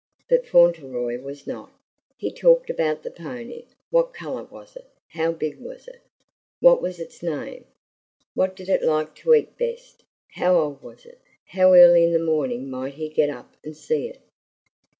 But Fauntleroy was not. He talked about the pony. What color was it? How big was it? What was its name? What did it like to eat best? How old was it? How early in the morning might he get up and see it?